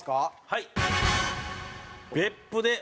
はい！